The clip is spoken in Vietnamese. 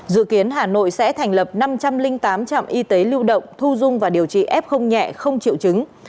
dự kiến hà nội sẽ thành lập năm trăm linh tám trạm y tế lưu động thu dung và điều trị f nhẹ không chịu chứng